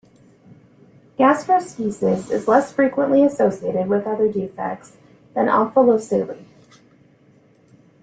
Gastroschisis is less frequently associated with other defects than omphalocele.